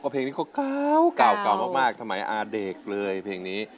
เพลงนี้เขาเก่ามากสมัยอาเด็กเลยเพลงนี้